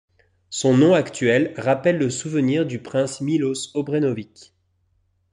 Son nom actuel rappelle le souvenir du prince Miloš Obrenović.